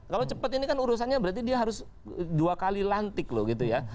kalau cepat ini kan urusannya berarti dia harus dua kali lantik loh gitu ya